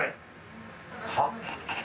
はっ？